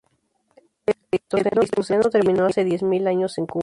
El pleistoceno terminó hace diez mil años en Cuba.